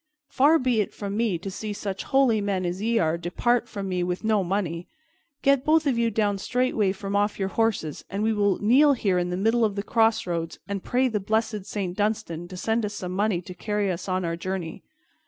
Far be it from me to see such holy men as ye are depart from me with no money. Get both of you down straightway from off your horses, and we will kneel here in the middle of the crossroads and pray the blessed Saint Dunstan to send us some money to carry us on our journey."